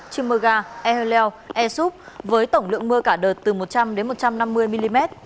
chimoga eheleo esup với tổng lượng mưa cả đợt từ một trăm linh một trăm năm mươi mm